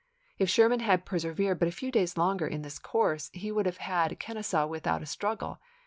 If Sherman had persevered but a few days longer in this course, he would have had Kenesaw without a struggle.